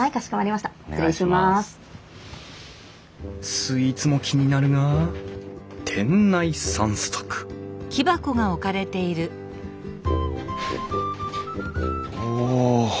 スイーツも気になるが店内散策お！